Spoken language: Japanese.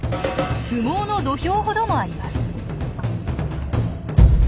相撲の土俵ほどもあります。